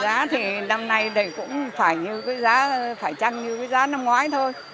giá thì năm nay cũng phải như cái giá phải chăng như cái giá năm ngoái thôi